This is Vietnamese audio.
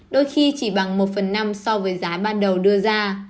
đôi khi chỉ bằng một phần năm so với giá ban đầu đưa ra